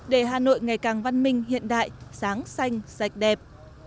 để hà nội ngày càng văn minh hiện đại sáng xanh sạch đẹp